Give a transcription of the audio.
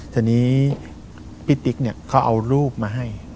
ทีนี้พี่ติ๊กเนี่ยเขาเอารูปมาให้